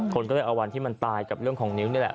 คนก็เลยเอาวันที่มันตายกับเรื่องของนิ้วนี่แหละ